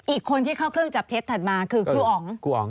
อีกคนที่เข้าเครื่องจับเท็จถัดมาคือครูอ๋อง